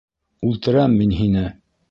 Үлтерәм мин һине!